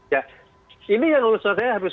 ya ini yang harus saya